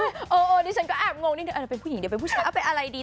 เออดิฉันก็แอบงงดิอะไรเป็นผู้หญิงอะไรเป็นผู้ชายอะไรดี